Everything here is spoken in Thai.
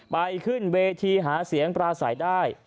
ไปขึ้นเวทีหาเสียงปลาใสได้